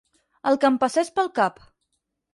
El que em passés pel cap.